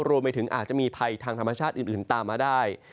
รวมไปถึงอาจจะมีภัยทางธรรมชาติอื่นตามมาได้